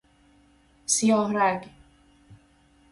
سیاه رگ